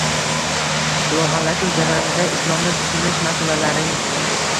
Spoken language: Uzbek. Globallashuv jarayonida islomni tushunish masalalaring